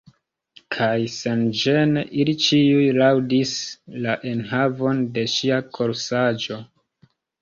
Kaj senĝene, ili ĉiuj laŭdis la enhavon de ŝia korsaĵo.